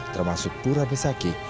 termasuk pura besaki